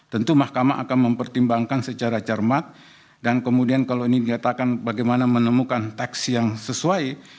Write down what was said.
tentu mahkamah akan mempertimbangkan secara cermat dan kemudian kalau ini dikatakan bagaimana menemukan teks yang sesuai